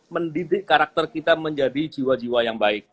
mendidik karakter kita menjadi jiwa jiwa yang baik